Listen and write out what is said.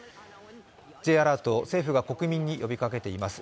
Ｊアラート、今も政府が呼びかけています。